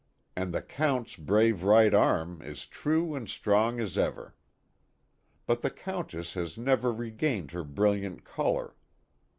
And the Count's brave right arm is true and strong as ever. But the Countess has never regained her brilliant color.